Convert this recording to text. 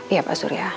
iya pak surya